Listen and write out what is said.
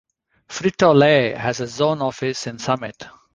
Frito-Lay has a zone office in Summit.